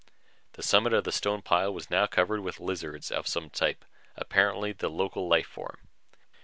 The summit of the stone pile was now covered with lizards of some type, apparently the local life form.